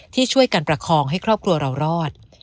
ที่ช่วยกันประคองให้ครอบครัวเรารอด